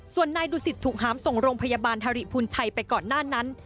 ส่วนนายดูสิตถูกหามส่งโรงพยาบาลฮริภูลชัยไปก่อนหน้านั้น